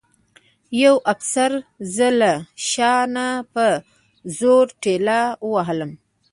یوه افسر زه له شا نه په زور ټېل وهلم